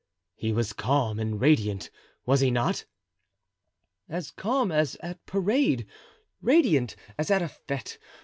"He was calm and radiant, was he not?" "As calm as at parade, radiant as at a fete.